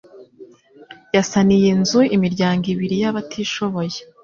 yasaniye inzu imiryango ibiri y'abatishoboye